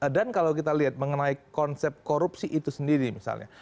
dan kalau kita lihat mengenai konsep korupsi itu sendiri misalnya